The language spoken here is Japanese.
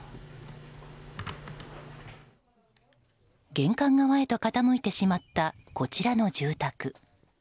玄関側へと傾いてしまったこちらの住宅。